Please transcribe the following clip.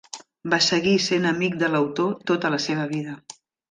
Va seguir sent amic de l'autor tota la seva vida.